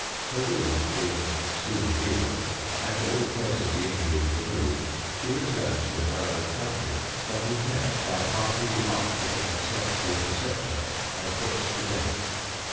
Her wounds being soon healed, and all trace of the injuries removed, she returned to her own country, but was met by a party the archbishop had sent to intercept her, and put to death.